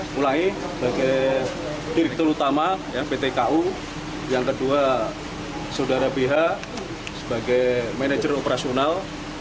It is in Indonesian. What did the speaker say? mulai sebagai direktur utama pt ku yang kedua saudara bh sebagai manajer operasional